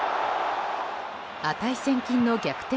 値千金の逆転